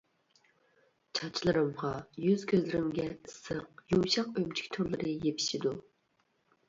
چاچلىرىمغا، يۈز-كۆزلىرىمگە ئىسسىق، يۇمشاق ئۆمۈچۈك تورلىرى يېپىشىدۇ.